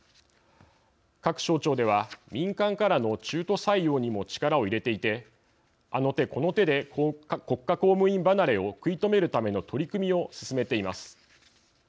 各省庁では民間からの中途採用にも力を入れていてあの手この手で国家公務員離れを食い止めるための取り組みを進めています。